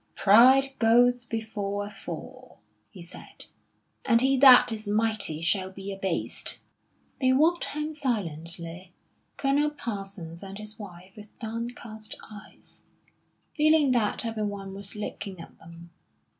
"Pride goeth before a fall," he said. "And he that is mighty shall be abased." They walked home silently, Colonel Parsons and his wife with downcast eyes, feeling that everyone was looking at them.